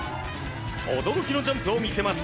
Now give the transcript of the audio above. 驚きのジャンプを見せます。